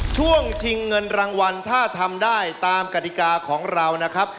ช่วงชิงเงินรางวัลถ้าทำได้ตามกฎิกาของเรานะครับ